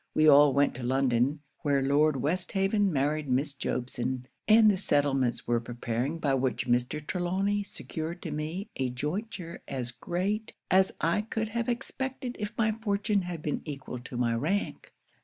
We all went to London, where Lord Westhaven married Miss Jobson, and the settlements were preparing by which Mr. Trelawny secured to me a jointure as great as I could have expected if my fortune had been equal to my rank.